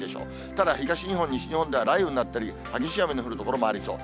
ただ、東日本、西日本では雷雨になったり、激しい雨の降る所もありそう。